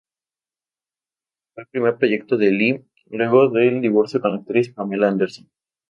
Fue el primer proyecto de Lee luego del divorcio con la actriz Pamela Anderson.